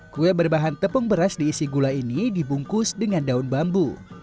kue berbahan tepung beras diisi gula ini dibungkus dengan daun bambu